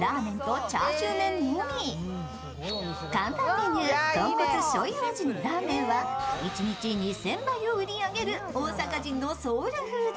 看板メニュー、豚骨しょうゆ味のラーメンは一日２０００杯を売り上げる大阪人のソウルフード。